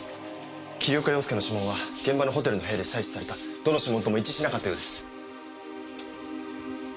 桐岡洋介の指紋は現場のホテルの部屋で採取されたどの指紋とも一致しなかったようです。